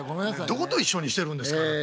どこと一緒にしてるんですかあなた。